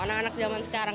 anak anak zaman sekarang